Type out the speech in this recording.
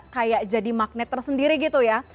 kayak jadi magnet tersendiri gitu ya